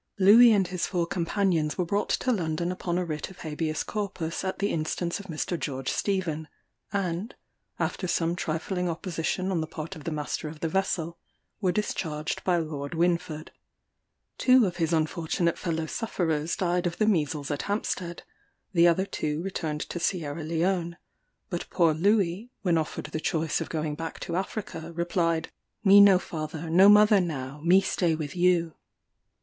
Louis and his four companions were brought to London upon a writ of Habeas Corpus at the instance of Mr. George Stephen; and, after some trifling opposition on the part of the master of the vessel, were discharged by Lord Wynford. Two of his unfortunate fellow sufferers died of the measles at Hampstead; the other two returned to Sierra Leone; but poor Louis, when offered the choice of going back to Africa, replied, "Me no father, no mother now; me stay with you."